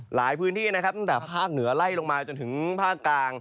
หลายพื้นที่นะครับตั้งแต่ภาคเหนือไล่ลงมาจนถึงภาคกลาง